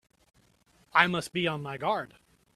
I must be on my guard!